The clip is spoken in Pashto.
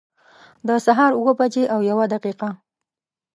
د سهار اوه بجي او یوه دقيقه